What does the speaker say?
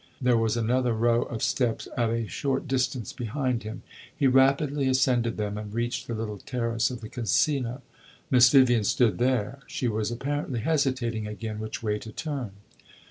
There was another row of steps at a short distance behind him; he rapidly ascended them and reached the little terrace of the Casino. Miss Vivian stood there; she was apparently hesitating again which way to turn.